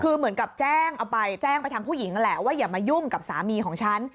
คือเหมือนกับแจ้งเอาไปแจ้งไปทางผู้หญิงนั่นแหละว่าอย่ามายุ่งกับสามีของฉัน